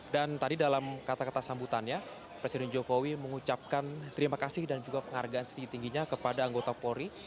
dan tadi dalam kata kata sambutannya presiden jokowi mengucapkan terima kasih dan juga penghargaan setinggi tingginya kepada anggota polri